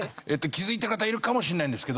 気づいた方いるかもしれないんですけど